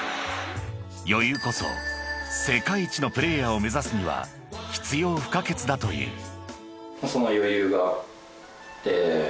［余裕こそ世界一のプレーヤーを目指すには必要不可欠だという］